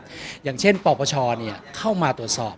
ก็ต้องทำอย่างที่บอกว่าช่องคุณวิชากำลังทำอยู่นั่นนะครับ